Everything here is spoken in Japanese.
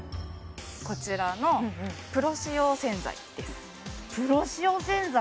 こちらのプロ仕様洗剤？